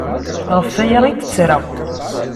Ɣef waya ay d-ttreɣ!